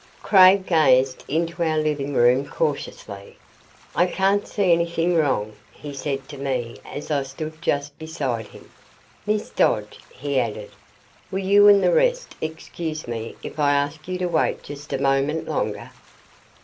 ........ Craig gazed into our living room cautiously. "I can't see anything wrong," he said to me as I stood just beside him. "Miss Dodge," he added, "will you and the rest excuse me if I ask you to wait just a moment longer?"